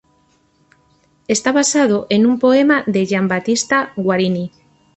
Está basado en un poema de Gian Battista Guarini.